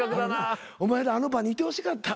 お前らあの場にいてほしかった。